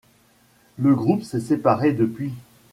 Le groupe s'est séparé depuis.